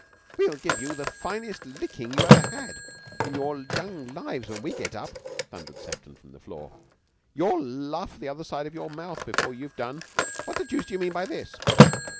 "We'll give you the finest lickin' you ever had in your young lives when we get up!" thundered Sefton from the floor. "You'll laugh the other side of your mouth before you've done. What the deuce d'you mean by this?"